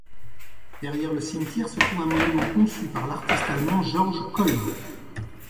Derrière le cimetière se trouve un monument conçu par l'artiste allemand George Kolbe.